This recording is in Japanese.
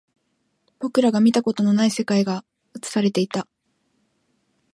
僕らが見たことがない世界が映されていた